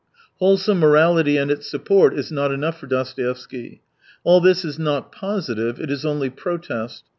Wholesome morality and its support is not enough for Dostoevsky. All this is not " positive," it is only " pro test."